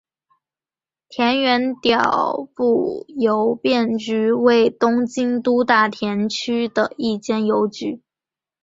田园调布邮便局为东京都大田区的一间邮局。